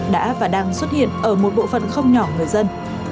đã và đang xuất hiện ở một bộ phận không nhỏ người dân